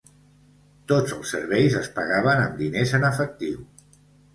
Tots els serveis es pagaven amb diners en efectiu.